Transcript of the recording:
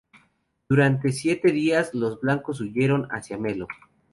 Durante siete días los blancos huyeron hacia Melo.